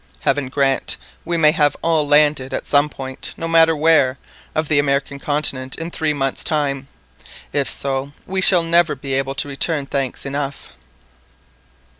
Heaven grant we may have all landed at some point, no matter where, of the American continent in three months' time; if so, we shall never be able to return thanks enough."